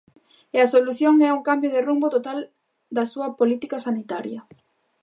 E a solución é un cambio de rumbo total da súa política sanitaria.